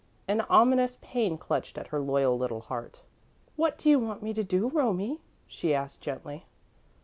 An ominous pain clutched at her loyal little heart. "What do you want me to do, Romie?" she asked, gently.